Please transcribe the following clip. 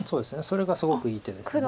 それがすごくいい手です。